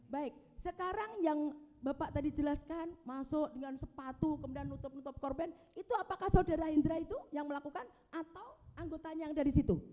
baik sekarang yang bapak tadi jelaskan masuk dengan sepatu kemudian nutup nutup korban itu apakah saudara hendra itu yang melakukan atau anggotanya yang dari situ